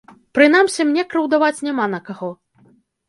Прынамсі, мне крыўдаваць няма на каго.